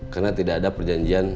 karena tidak ada perjanjian